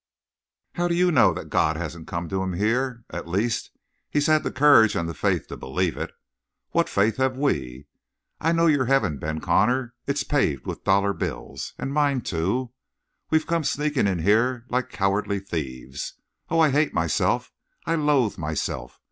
"How do you know that God hasn't come to him here? At least, he's had the courage and the faith to believe it. What faith have we? I know your heaven, Ben Connor. It's paved with dollar bills. And mine, too. We've come sneaking in here like cowardly thieves. Oh, I hate myself, I loathe myself.